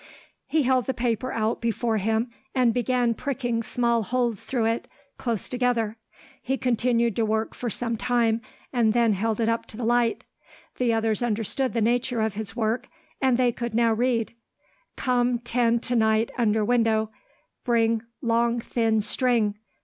He held the paper out before him, and began pricking small holes through it, close together. He continued to work for some time, and then held it up to the light. The others understood the nature of his work, and they could now read: Come ten tonight under window. Bring long thin string.